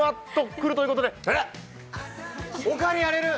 おかわりやれる？